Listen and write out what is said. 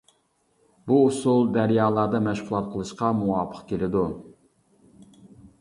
بۇ ئۇسۇل دەريالاردا مەشغۇلات قىلىشقا مۇۋاپىق كېلىدۇ.